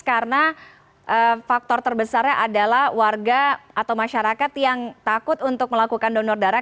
karena faktor terbesarnya adalah warga atau masyarakat yang takut untuk melakukan donor darah